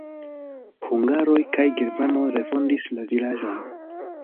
Hungaroj kaj germanoj refondis la vilaĝon.